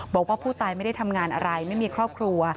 บอกว่าผู้ตายไม่ได้ทำงานอะไรไม่มีครอบครัว